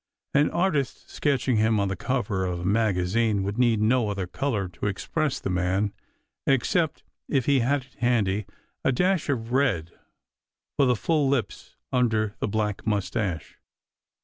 An artist sketching him on the cover of a magazine would need no other colour to express the man, except if he had it handy a dash of red for the full lips under the black moustache.